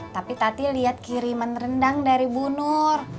tapi tati lihat kiriman rendang dari bu nur